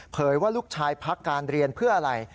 ว่าลูกชายพักการเรียนเพื่ออะไร